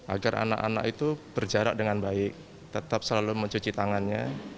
agar anak anak itu berjarak dengan baik tetap selalu mencuci tangannya